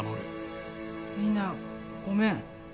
みんなごめん。